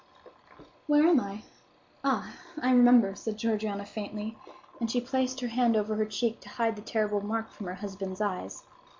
"Where am I? Ah, I remember," said Georgiana, faintly; and she placed her hand over her cheek to hide the terrible mark from her husband's eyes.